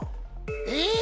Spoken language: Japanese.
えっ？